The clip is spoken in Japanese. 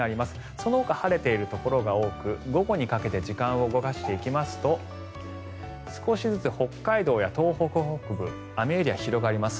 そのほか晴れているところが多く午後にかけて時間を動かしていきますと少しずつ北海道や東北北部雨エリアが広がります。